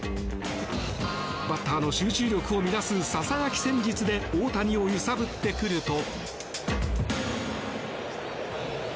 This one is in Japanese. バッターの集中力を乱すささやき戦術で大谷を揺さぶってくると。